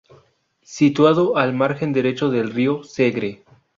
Situado al margen derecho del río Segre.